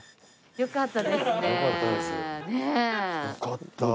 よかった。